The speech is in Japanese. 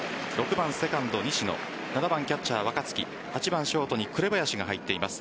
６番セカンド・西野７番キャッチャー・若月８番ショートに紅林が入っています。